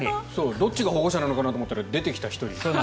どっちが保護者なのかなと思ったら出てきた１人。